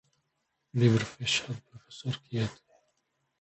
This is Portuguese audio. Livro fechado, professor quieto.